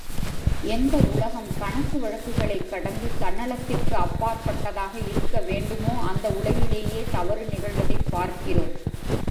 எந்த உலகம் கணக்கு வழக்குகளைக் கடந்து தன்னலத்திற்கு அப்பாற்பட்டதாக இருக்க வேண்டுமோ அந்த உலகிலேயே தவறு நிகழ்வதைப் பார்க்கிறோம்.